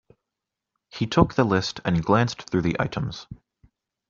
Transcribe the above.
He took the list and glanced through the items.